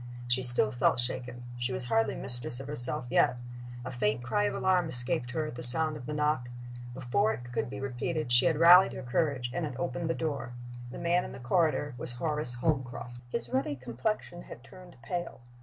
She still felt shaken. She was hardly mistress of herself yet. A faint cry of alarm escaped her at the sound of the knock. Before it could be repeated she had rallied her courage, and had opened the door. The man in the corridor was Horace Holmcroft. His ruddy complexion had turned pale.